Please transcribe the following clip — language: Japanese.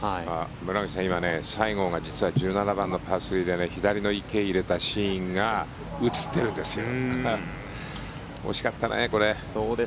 村口さん、今西郷が実は１７番のパー３で左の池に入れたシーンが映っているんですよ。